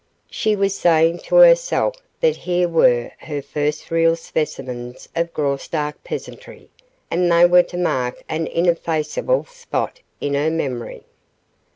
She was saying to herself that here were her first real specimens of Graustark peasantry, and they were to mark an ineffaceable spot in her memory.